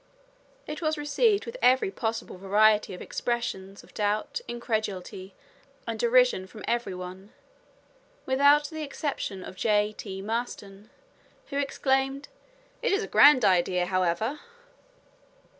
It was received with every possible variety of expressions of doubt, incredulity, and derision from every one, with the exception of J. T. Maston, who exclaimed, "It is a grand idea, however!"